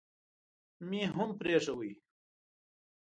مې هم پرېښود.